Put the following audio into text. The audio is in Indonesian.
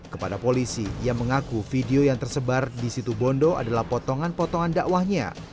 kepada polisi ia mengaku video yang tersebar di situ bondo adalah potongan potongan dakwahnya